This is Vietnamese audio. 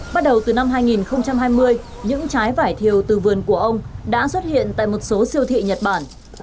bắt đầu từ năm hai nghìn hai mươi những trái vải thiều từ vườn của ông đã xuất hiện tại một số siêu thị nhật bản